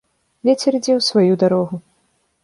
Вецер ідзе ў сваю дарогу.